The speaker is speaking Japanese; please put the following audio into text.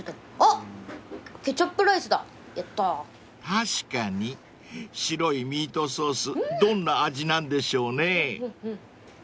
［確かに白いミートソースどんな味なんでしょうね］